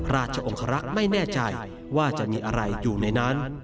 ราชองครักษ์ไม่แน่ใจว่าจะมีอะไรอยู่ในนั้น